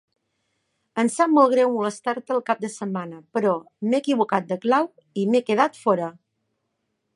Em sap molt greu molestar-te el cap de setmana però m'he equivocat de clau i m'he quedat fora.